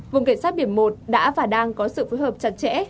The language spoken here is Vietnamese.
vùng cảnh sát biển một đã và đang có sự phối hợp chặt chẽ